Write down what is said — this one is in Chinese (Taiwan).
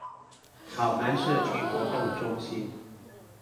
草湳社區活動中心